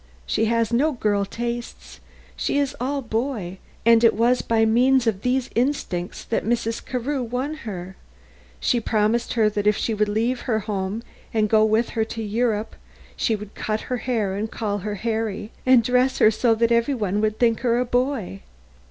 She has no girl tastes; she is all boy, and it was by means of these instincts that Mrs. Carew won her. She promised her that if she would leave home and go with her to Europe she would cut her hair and call her Harry, and dress her so that every one would think her a boy.